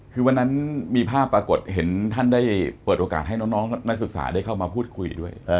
คือวันนั้นมีภาพปรากฏเห็นท่านได้เปิดโอกาสให้น้องนักศึกษาได้เข้ามาพูดคุยด้วย